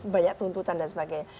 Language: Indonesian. banyak tuntutan dan sebagainya